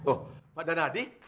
oh pak danadi